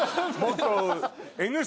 もっと。